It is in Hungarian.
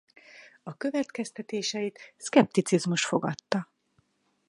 A következtetéseit szkepticizmus fogadta.